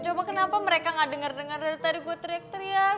coba kenapa mereka gak denger denger dari tadi gue teriak teriak